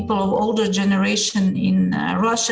orang orang generasi yang lebih tua di rusia